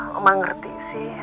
ya oma ngerti sih